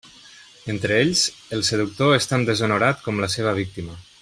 Entre ells, el seductor és tan deshonorat com la seva víctima.